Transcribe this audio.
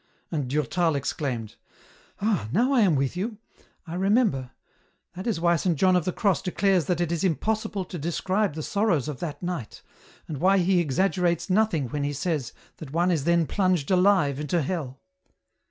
And Durtal exclaimed, " Ah ! now I am with you ; I remember ... That is why Saint John of the Cross declares that it is impossible to describe the sorrows of that night, and why he exaggerates nothing when he says, that one is then plunged alive into hell.